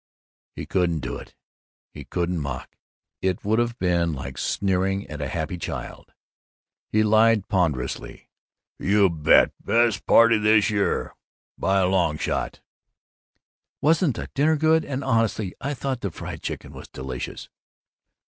He couldn't do it. He couldn't mock. It would have been like sneering at a happy child. He lied ponderously: "You bet! Best party this year, by a long shot." "Wasn't the dinner good! And honestly I thought the fried chicken was delicious!"